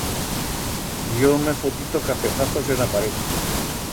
Yo m'he fotito capezazos en la paret.